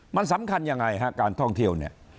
มันสำคัญยังไงฮะการท่องเที่ยวเนี่ย